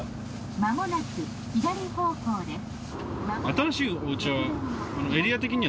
「まもなく左方向です」